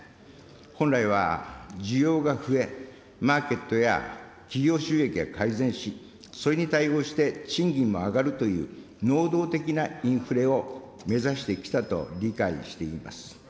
本来は需要が増え、マーケットや企業収益が改善し、それに対応して賃金も上がるという能動的なインフレを目指してきたと理解しています。